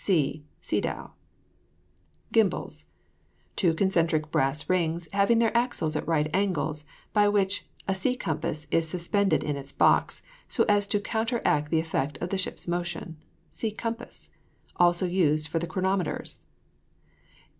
(See SEDOW.) GIMBALS. The two concentric brass rings, having their axles at right angles, by which a sea compass is suspended in its box, so as to counteract the effect of the ship's motion. (See COMPASS.) Also used for the chronometers.